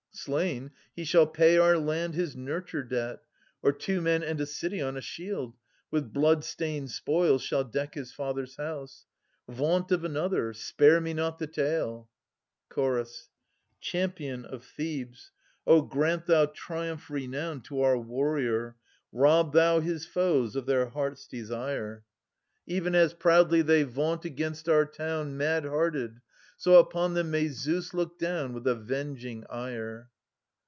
Slain, he shall pay our land his nurture debt. Or two men and a city on a shield With blood stained spoils shall deck his father's house. Vaunt of another : spare me not the tale. 480 Chorus. Champion of Thebes, O grant thou triumph renown To our warrior ; rob thou his foes of their hearts' desire ! 24 j^SCHYL US. Even as proudly they vaunt against our town Mad hearted, so upon them may Zeus look down With avenging ire.